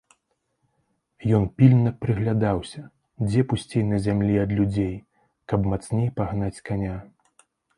Ён пільна прыглядаўся, дзе пусцей на зямлі ад людзей, каб мацней пагнаць каня.